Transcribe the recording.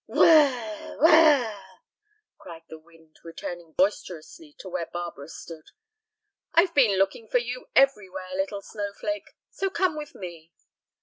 "Whirr r r! whirr r r!" cried the wind, returning boisterously to where Barbara stood. "I've been looking for you everywhere, little snowflake! So come with me."